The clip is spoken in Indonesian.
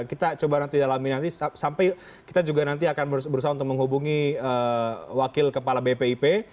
kita coba nanti dalamin nanti sampai kita juga nanti akan berusaha untuk menghubungi wakil kepala bpip